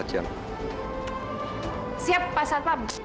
siap pak saatpam